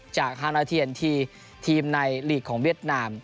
ฮานาเทียนทีทีมในหลีกของเวียดนาม